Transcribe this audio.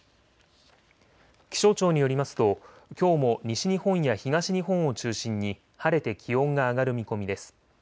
気象庁によりますときょうも西日本や東日本を中心に晴れて気温が上がる見込みです。